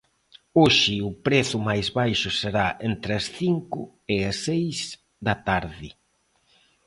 Hoxe o prezo máis baixo será entre as cinco e as seis da tarde.